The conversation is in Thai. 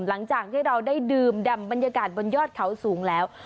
หลังจากที่เราได้ดื่มดำบรรยากาศบนยอดเขาสูงแล้ว